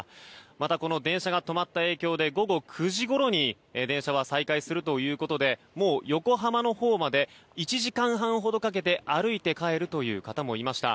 また、この電車が止まった影響で午後９時ごろに電車は再開するということでもう横浜のほうまで１時間半ほどかけて歩いて帰るという方もいました。